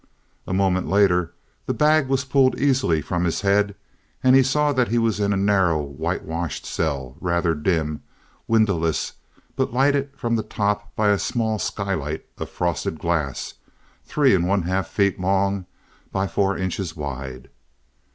A moment later the bag was pulled easily from his head, and he saw that he was in a narrow, whitewashed cell, rather dim, windowless, but lighted from the top by a small skylight of frosted glass three and one half feet long by four inches wide.